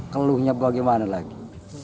keluhnya bagaimana lagi